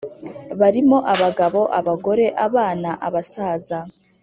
barimo abagabo, abagore, abana, abasaza,